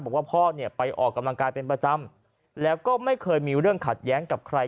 บอกว่าพ่อเนี่ยไปออกกำลังกายเป็นประจำแล้วก็ไม่เคยมีเรื่องขัดแย้งกับใคร